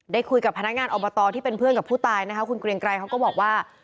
ได้คุยกับพนักงานอบตที่เป็นเพื่อนกับผู้ตายนะคะคุณเกรียงไกรเขาก็บอกว่า